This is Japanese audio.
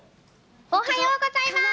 おはようございます。